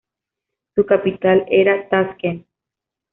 Su capital era Taskent.